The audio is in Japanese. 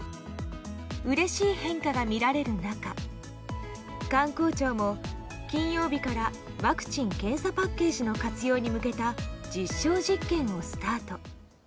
うれしい変化が見られる中観光庁も金曜日からワクチン・検査パッケージの活用に向けた実証実験をスタート。